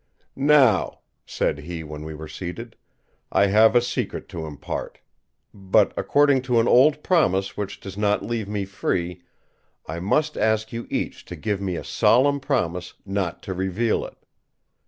"Now," said he when we were seated, "I have a secret to impart; but, according to an old promise which does not leave me free, I must ask you each to give me a solemn promise not to reveal it.